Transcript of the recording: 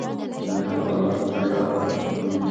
لم يخلق الله القدير أبر من